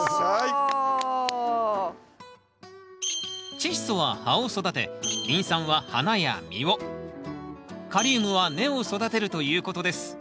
チッ素は葉を育てリン酸は花や実をカリウムは根を育てるということです。